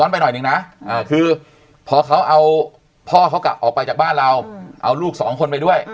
พ่อเขากลับออกไปจากบ้านเราเอาลูก๒คนไปด้วย